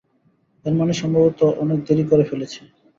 এর মানে আমরা সম্ভবত অনেক দেরি করে ফেলেছি।